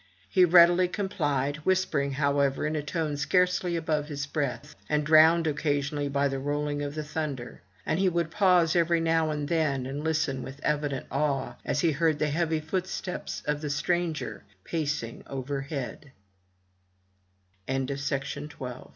He readily complied, whispering, however, in a tone scarcely above his breath, and drowned occasionally by the rolling of the thunder; and he would pause every now and then, and listen with evident awe, as he heard the heavy footsteps of the stranger pacing overh